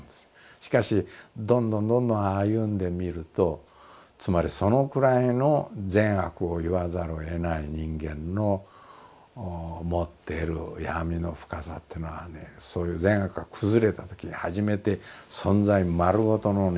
しかしどんどんどんどん歩んでみるとつまりそのくらいの善悪を言わざるをえない人間の持っている闇の深さっていうのはねそういう善悪が崩れたときに初めて存在丸ごとのね